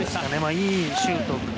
いいシュート。